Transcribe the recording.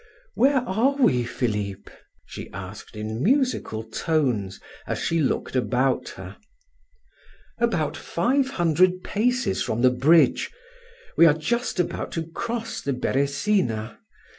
"Where are we, Philip?" she asked in musical tones, as she looked about her. "About five hundred paces from the bridge. We are just about to cross the Beresina.